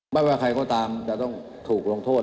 ไม่ว่าใครก็ตามจะต้องถูกลงโทษ